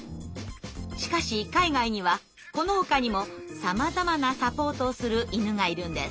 しかし海外にはこのほかにもさまざまなサポートをする犬がいるんです。